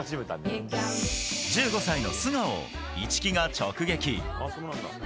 １５歳の素顔を市來が直撃。